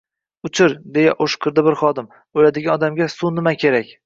— Uchir! — deya o‘shqirdi bir xodim. — O’ladigan odamga... suv nima kerak?